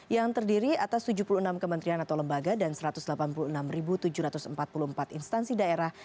yang terdiri atas tujuh puluh enam kementerian atau lembaga dan satu ratus delapan puluh enam tujuh ratus empat puluh empat instansi daerah